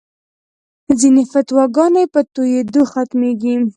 ځینې فتواګانې په تویېدو ختمېږي.